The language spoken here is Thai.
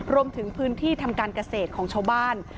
รวมถึงพื้นที่ทำการเกษตรของชาวบ้าน